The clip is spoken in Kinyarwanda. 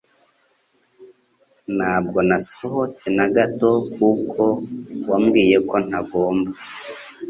Ntabwo nasohotse na gato kuko wambwiye ko ntagomba